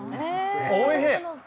おいしい！